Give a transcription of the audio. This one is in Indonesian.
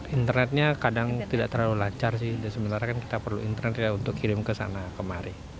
internetnya kadang tidak terlalu lancar sih dan sebenarnya kita perlu internetnya untuk kirim ke sana kemari